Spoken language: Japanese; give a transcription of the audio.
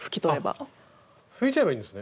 あっ拭いちゃえばいいんですね。